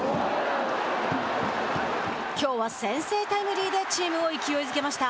きょうは先制タイムリーでチームを勢いづけました。